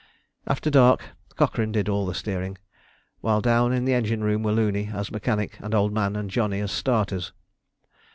After dark, Cochrane did all the steering; while down in the engine room were Looney as mechanic, and Old Man and Johnny as starters.